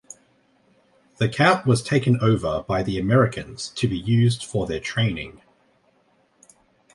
The camp was taken over by the Americans to be used for their training.